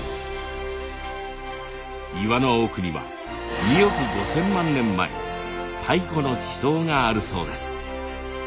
岩の奥には２億５千万年前太古の地層があるそうです。